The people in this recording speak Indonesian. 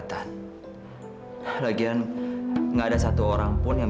sampai jumpa di video selanjutnya